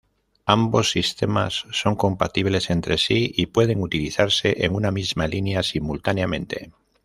Ambos sistemas son compatibles entre sí y pueden utilizarse en una misma línea simultáneamente.